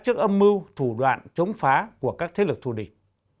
trước âm mưu thủ đoạn chống phá của các thế lực thù địch